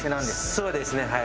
そうですねはい。